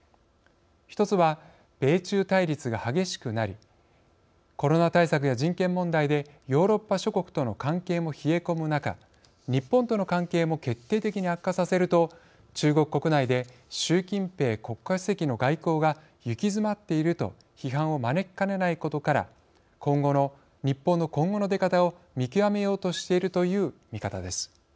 １つは、米中対立が激しくなりコロナ対策や人権問題でヨーロッパ諸国との関係も冷え込む中日本との関係も決定的に悪化させると中国国内で習近平国家主席の外交が行き詰まっていると批判を招きかねないことから日本の今後の出方を見極めようとしているという見方です。